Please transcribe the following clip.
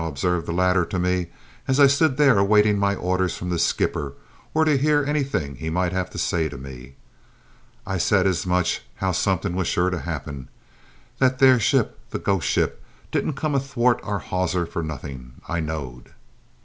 observed the latter to me, as I stood there awaiting my orders from the skipper, or to hear anything he might have to say to me. "I said as how summut was sure to happen. That there ship the ghost ship didn't come athwart our hawser for nothink, I knowed!"